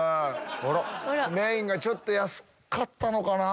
あら⁉メインがちょっと安かったのかな。